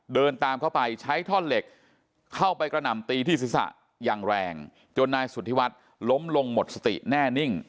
เดินตามเข้าไปใช้ท่อนเหล็กเข้าไปกระหน่ำตีที่ศีรษะอย่างแรงจนนายสุธิวัฒน์ล้มลงหมดสติแน่นิ่ง